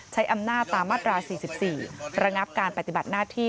ใช้อำนาจตามมาตรา๔๔ระงับการปฏิบัติหน้าที่